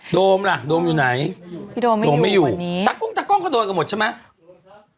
โดมล่ะโดมอยู่ไหนพี่โดมไม่อยู่ตักก้องก็โดนกันหมดใช่ไหม